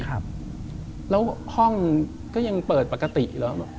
แล้วห้องก็ยังเปิดปกติเหรอ